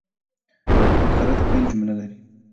فقره د پیل جمله لري.